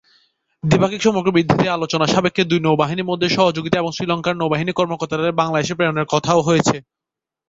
দ্বিপাক্ষিক সম্পর্ক বৃদ্ধিতে আলোচনার সাপেক্ষে, দুই নৌবাহিনীর মধ্যে সহযোগিতা এবং শ্রীলঙ্কার নৌবাহিনীর কর্মকর্তাদের বাংলাদেশে প্রেরণের কথাও হয়েছে।